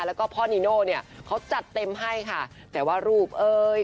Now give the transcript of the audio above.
แล้วก็พ่อนีโน่เนี่ยเขาจัดเต็มให้ค่ะแต่ว่ารูปเอ้ย